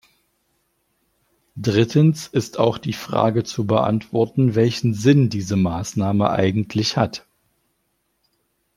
Drittens ist auch die Frage zu beantworten, welchen Sinn diese Maßnahme eigentlich hat.